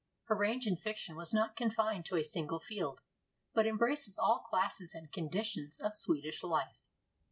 Her range in fiction was not confined to a single field, but embraced all classes and conditions of Swedish life.